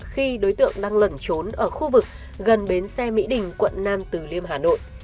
khi đối tượng đang lẩn trốn ở khu vực gần bến xe mỹ đình quận nam tử liêm hà nội